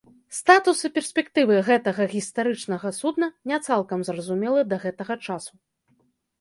Статус і перспектывы гэтага гістарычнага судна не цалкам зразумелы да гэтага часу.